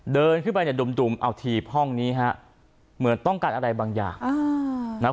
เดินขึ้นไปเนี่ยดุ่มเอาทีห้องนี้ฮะเหมือนต้องการอะไรบางอย่าง